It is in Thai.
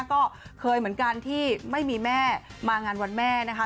ก็เคยเหมือนกันที่ไม่มีแม่มางานวันแม่นะคะ